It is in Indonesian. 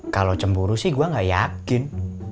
kalau cemburu sih gue gak yakin